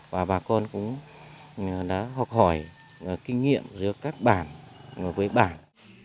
và bà con cũng đã học hỏi kinh nghiệm giữa các bản và với bản